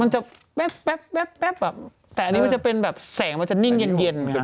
มันจะแป๊บแต่อันนี้มันจะเป็นแบบแสงมันจะนิ่งเย็นค่ะ